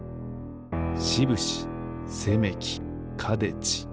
しぶしせめきかでち。